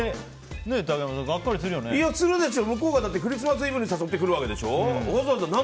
向こうがクリスマスイブに誘ってくるわけでしょ。